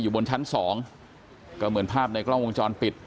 บนชั้นสองก็เหมือนภาพในกล้องวงจรปิด